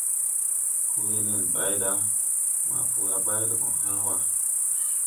Koo wee nen ɓay ɗa maa po a bay lɛ gɔ hãã wa.